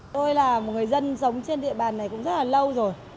tôi là một người dân sống trên địa bàn này cũng rất là lâu rồi